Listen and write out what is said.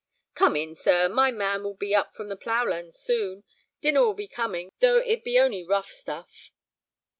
"Come in, sir; my man will be up from the ploughland soon. Dinner will be coming, though it be only rough stuff."